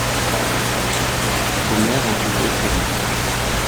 Omer en juge autrement.